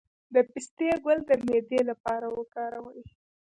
د پسته ګل د معدې لپاره وکاروئ